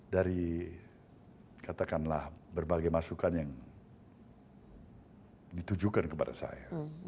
dari katakanlah berbagai masukan yang ditujukan kepada saya